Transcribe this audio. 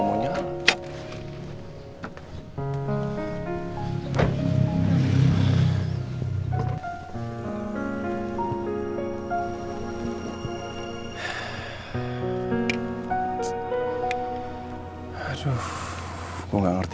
mama harus kuat